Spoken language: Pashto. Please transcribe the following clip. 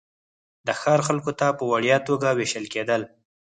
د ښار خلکو ته په وړیا توګه وېشل کېدل.